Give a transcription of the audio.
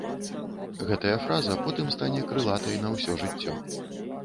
Гэтая фраза потым стане крылатай на ўсё жыццё.